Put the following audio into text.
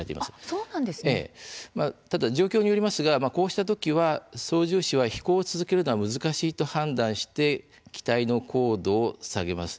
その状況によりますとこうした時は操縦士は飛行を続けるのは難しいと判断して機体の高度を下げます。